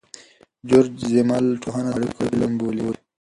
جورج زیمل ټولنپوهنه د اړیکو علم بولي.